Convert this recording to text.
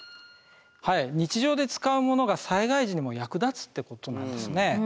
日常で使うモノが災害時にも役立つってことなんですね。